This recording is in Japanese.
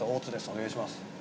お願いします